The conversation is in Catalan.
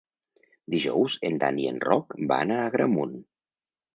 Dijous en Dan i en Roc van a Agramunt.